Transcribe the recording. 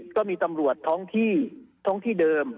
ก็มีตำรวจท้องที่เดิม